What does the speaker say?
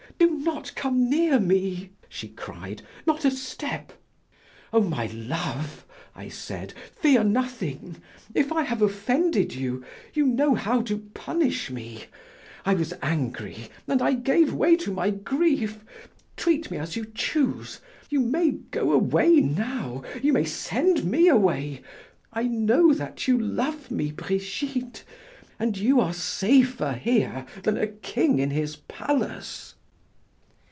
"Do not come near me!" she cried, "not a step!" "Oh! my love," I said, "fear nothing; if I have offended you, you know how to punish me. I was angry and I gave way to my grief; treat me as you choose, you may go away now, you may send me away! I know that you love me, Brigitte, and you are safer here than a king in his palace."